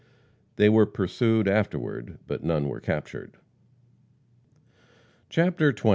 They were pursued afterward, but none were captured. CHAPTER XX.